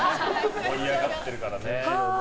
盛り上がってるからね。